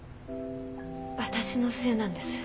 私のせいなんです。